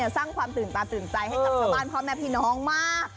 สร้างความตื่นตาตื่นใจให้กับชาวบ้านพ่อแม่พี่น้องมาก